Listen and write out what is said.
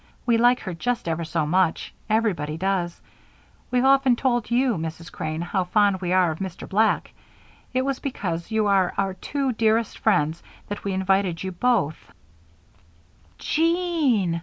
We like her just ever so much everybody does. We've often told you, Mrs. Crane, how fond we are of Mr. Black. It was because you are our two very dearest friends that we invited you both " "Je e e e an!"